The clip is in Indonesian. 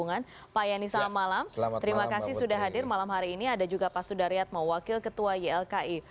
ada juga pak sudaryatmo wakil ketua ylki